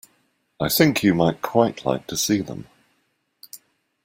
I think you might quite like to see them.